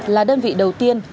là đơn vị đầu tiên